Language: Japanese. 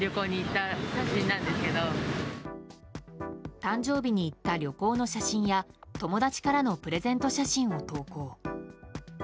誕生日に行った旅行の写真や友達からのプレゼント写真を投稿。